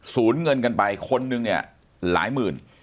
สูญเงินกันไปคนหนึ่งหลายหมื่น